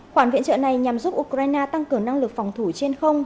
khoản viện trợ này nhằm giúp ukraine tăng cường năng lực phòng thủ trên không